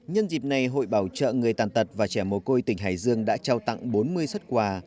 nhân dịp này hội bảo trợ người tàn tật và trẻ mồ côi tỉnh hải dương đã trao tặng bốn mươi xuất quà